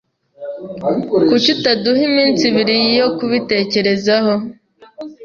Kuki utaduha iminsi ibiri yo kubitekerezaho?